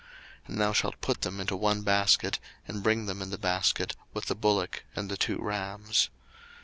02:029:003 And thou shalt put them into one basket, and bring them in the basket, with the bullock and the two rams.